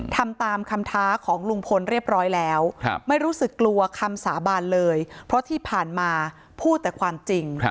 ทำตามคำท้าของลุงพลเรียบร้อยแล้วไม่รู้สึกกลัวคำสาบานเลยเพราะที่ผ่านมาพูดแต่ความจริง